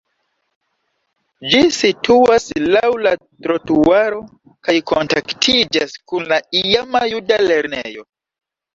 Ĝi situas laŭ la trotuaro kaj kontaktiĝas kun la iama juda lernejo.